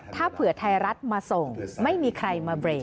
ถ้าเผื่อไทยรัฐมาส่งไม่มีใครมาเบรก